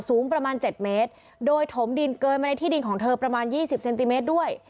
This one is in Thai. สูงประมาณ๗เมตรโดยถมดินเกินมาในที่ดินของเธอประมาณยี่สิบเซนติเมตรด้วย